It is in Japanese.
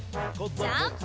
ジャンプ！